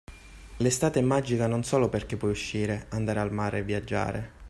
L'estate è magica non solo perché puoi uscire, andare al mare e viaggiare